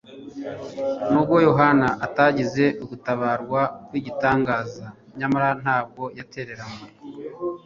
Nubwo Yohana atagize ugutabarwa kw'igitangaza, nyamara ntabwo yatereranywe.